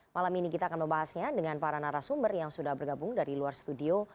malam ini kita akan membahasnya dengan para narasumber yang sudah bergabung dari luar studio